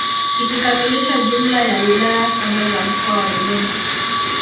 Ikikamilisha jumla ya wilaya saba za mkoa wa Dodoma